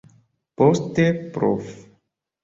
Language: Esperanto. Poste prof.